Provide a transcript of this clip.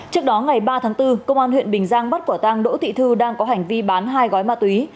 trước đó ngày ba tháng bốn công an huyện bình giang bắt quả tang đỗ thị thư đang có hành vi bán hai gói ma túy